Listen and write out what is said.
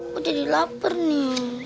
kok jadi lapar nih